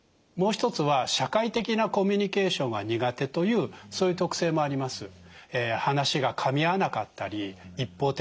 もう一つは社会的なコミュニケーションが苦手というそういう特性もあります。